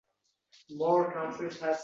Navro'z muborak bo'lsin, millat!